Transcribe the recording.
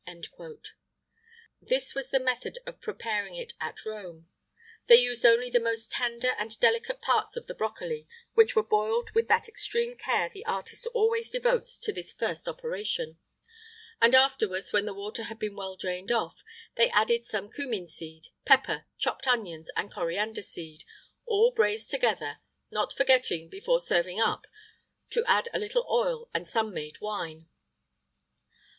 [IX 87] This was the method of preparing it at Rome: they used only the most tender and delicate parts of the brocoli, which were boiled with that extreme care the artist always devotes to this first operation; and, afterwards, when the water had been well drained off, they added some cummin seed, pepper, chopped onions, and coriander seed all braised together, not forgetting, before serving up, to add a little oil and sun made wine.